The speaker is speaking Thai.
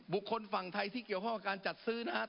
ฝั่งไทยที่เกี่ยวข้องกับการจัดซื้อนะครับ